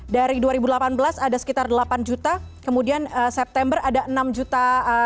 dari dua ribu delapan belas ada sekitar delapan juta kemudian september ada enam juta